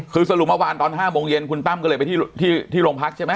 คือสรุปเมื่อวานตอน๕โมงเย็นคุณตั้มก็เลยไปที่โรงพักใช่ไหม